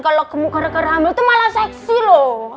kalo gemuk gara gara hamil tuh malah seksi loh